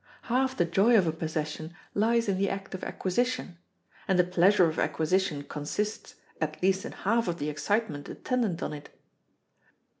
Half the joy of a possession lies in the act of acquisition, and the pleasure of acquisition consists, at least in half of the excitement attendant on it.